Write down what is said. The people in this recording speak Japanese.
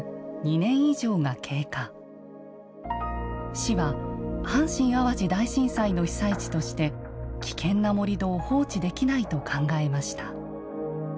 市は阪神・淡路大震災の被災地として危険な盛土を放置できないと考えました。